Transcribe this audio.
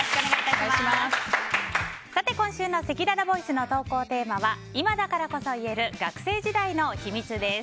今週のせきららボイスの投稿テーマは今だからこそ言える学生時代の秘密！です。